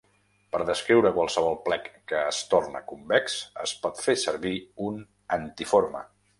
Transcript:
Per descriure qualsevol plec que es torna convex, es pot fer servir un antiforme.